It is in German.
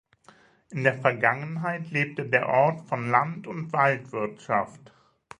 In der Vergangenheit lebte der Ort von Land- und Waldwirtschaft.